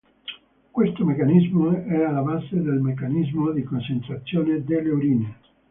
Questo meccanismo è alla base del meccanismo di concentrazione delle urine.